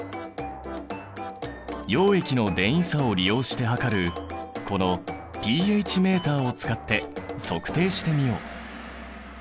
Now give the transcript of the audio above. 溶液の電位差を利用して測るこのｐＨメーターを使って測定してみよう。